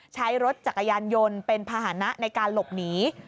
ใช้รถจักรยานยนต์เป็นภาษณะในการหลบหนี